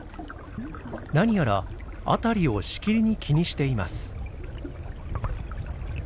なにやら辺りをしきりに気にしています。